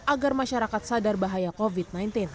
agar masyarakat sadar bahaya covid sembilan belas